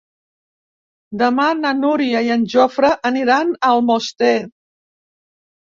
Demà na Núria i en Jofre aniran a Almoster.